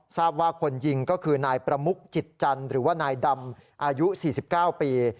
ทราบว่าคนยิงก็คือนายประมุกจิตจันทร์หรือว่านายดำอายุ๔๙ปี